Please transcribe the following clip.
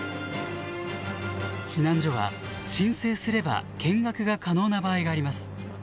避難所は申請すれば見学が可能な場合があります。